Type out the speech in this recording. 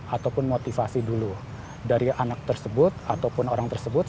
ataupun motivasi dulu dari anak tersebut ataupun orang tersebut